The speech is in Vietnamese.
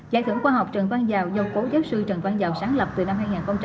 giải thưởng khoa học trần văn dầu do phó giáo sư trần văn dầu sáng lập từ năm hai nghìn hai